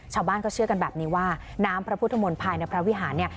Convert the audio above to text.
ชาวบ้านก็เชื่อกันแบบนี้ว่าน้ำพระพุทธมนต์ภายในพระวิหารเนี่ย